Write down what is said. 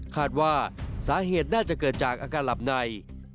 คาดว่าสาเหตุน่าจะเกิดจากอาการหลับใน